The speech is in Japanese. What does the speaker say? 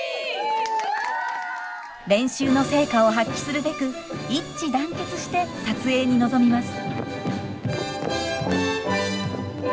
練習の成果を発揮するべく一致団結して撮影に臨みます。